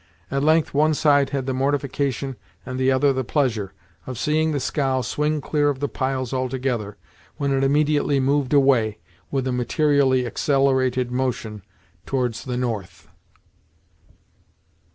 At length one side had the mortification and the other the pleasure of seeing the scow swing clear of the piles altogether, when it immediately moved away, with a materially accelerated motion, towards the north.